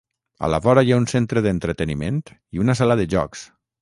A la vora hi ha un centre d'entreteniment i una sala de jocs.